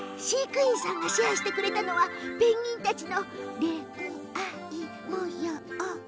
飼育員さんがシェアしてくれたのはペンギンたちの恋愛もよう。